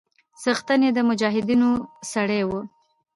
څښتن يې د مجاهيدنو سړى و.